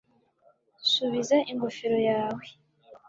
subiza ingofero yawe